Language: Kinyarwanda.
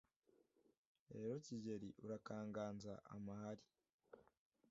Rero Kigeli urakaganza amahari